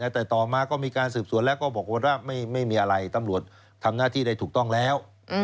แต่ตอนนี้ก็ว่าการสืบสวนก็บอกว่าไม่มีงานอัลบัตรีตำรวจทำงานที่ได้ถูกตั้งแล้ว